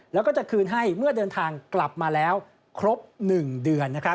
แล้วก็จะคืนให้เมื่อเดินทางกลับมาแล้วครบ๑เดือน